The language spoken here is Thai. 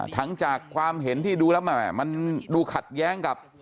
ทั้งจากความเห็นที่ดูขัดแย้งกับ